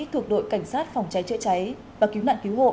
thuộc đội cảnh sát phòng cháy chữa cháy và cứu nạn cứu hộ